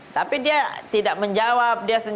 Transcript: tapi dia tidak menjawab